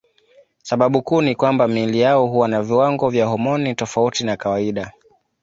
Sababu kuu ni kwamba miili yao huwa na viwango vya homoni tofauti na kawaida.